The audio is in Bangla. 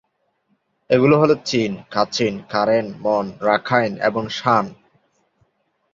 এগুলি হল Chin, Kachin, Karen, Mon, Rakhine, এবং শান।